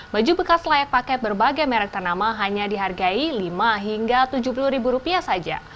baju bekas layak pakai berbagai merek ternama hanya dihargai lima hingga tujuh puluh ribu rupiah saja